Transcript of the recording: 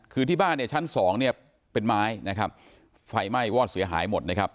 คือที่บ้านชั้น๒เป็นไม้นะครับไฟไหม้วอดเสียหายหมดนะครับ